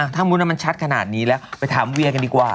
ถ้ามุติว่ามันชัดขนาดนี้แล้วไปถามเวียกันดีกว่า